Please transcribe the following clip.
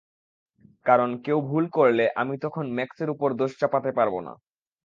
কারণ কেউ ভুল করলে, আমি তখন ম্যাক্সের উপর দোষ চাপাতে পারব না।